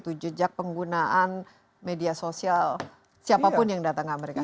itu jejak penggunaan media sosial siapapun yang datang ke amerika